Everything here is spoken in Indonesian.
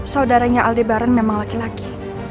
saudaranya aldebaran memang laki laki